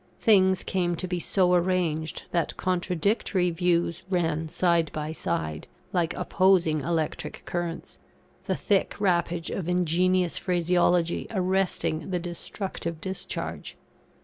Things came to be so arranged that contradictory views ran side by side, like opposing electric currents; the thick wrappage of ingenious phraseology arresting the destructive discharge.